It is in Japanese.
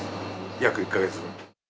約１か月分。